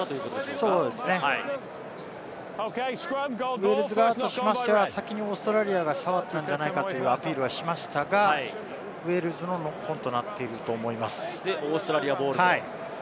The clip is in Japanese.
ウェールズ側としては、先にオーストラリアが触ったんじゃないかというアピールはしましたが、ウェールズのノックオン。